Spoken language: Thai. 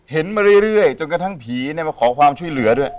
มาเรื่อยจนกระทั่งผีมาขอความช่วยเหลือด้วย